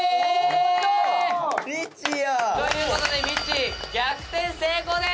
やったー！という事でみっちー逆転成功です！